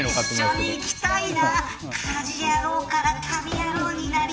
一緒に行きたいな。